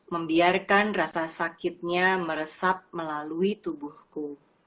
membiarkan rasa sakitnya meresap melalui tubuhku